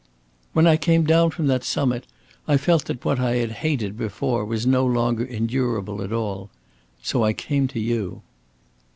"When I came down from that summit, I felt that what I had hated before was no longer endurable at all. So I came to you."